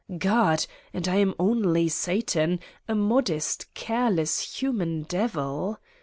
God! And I am only Satan, a modest, careless, human Devil!